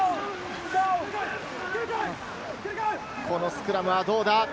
このスクラムはどうだ？